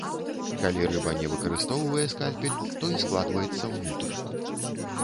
Калі рыба не выкарыстоўвае скальпель, той складваецца ўнутр.